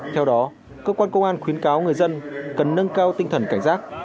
theo đó cơ quan công an khuyến cáo người dân cần nâng cao tinh thần cảnh giác